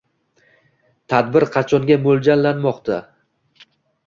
Tadbir qachonga mo'ljallanmoqda?